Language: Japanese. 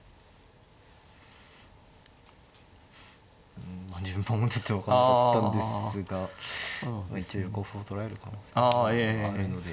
うん自分が思ってたより分かんなかったんですが一応横歩を取られる可能性があるので。